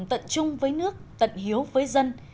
tận chung với nước tận hiếu với dân